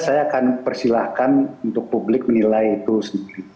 saya akan persilahkan untuk publik menilai itu sendiri